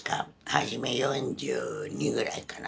初め４２ぐらいかな。